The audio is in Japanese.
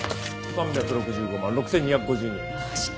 ３６５万６２５２円です。